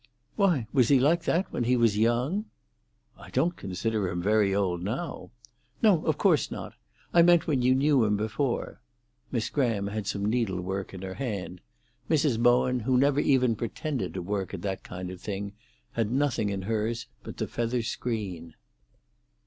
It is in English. "Why, was he like this when he was young?" "I don't consider him very old now." "No, of course not. I meant when you knew him before." Miss Graham had some needlework in her hand; Mrs. Bowen, who never even pretended to work at that kind of thing, had nothing in hers but the feather screen.